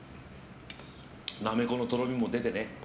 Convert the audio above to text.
なめこのとろみも出てね。